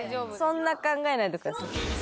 そんな考えないでください。